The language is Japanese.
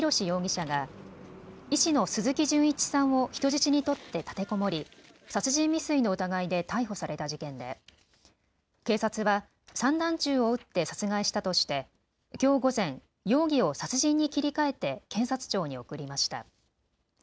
容疑者が医師の鈴木純一さんを人質に取って立てこもり殺人未遂の疑いで逮捕された事件で、警察は散弾銃を撃って殺害したとしてきょう午前、容疑を殺人に切り替えて検察庁に送りました。